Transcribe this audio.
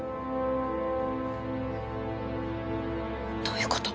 どういう事？